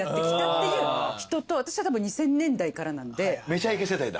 『めちゃイケ』世代だ。